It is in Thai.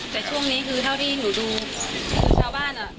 แต่ช่วงนี้คือเท่าที่หนูดูชาวบ้านอ่ะ